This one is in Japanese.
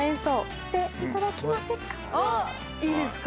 あっいいですか？